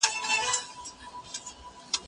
زه مخکي ليکلي پاڼي ترتيب کړي وو!.